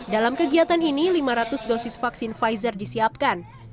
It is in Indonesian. dalam kegiatan ini lima ratus dosis vaksin pfizer disiapkan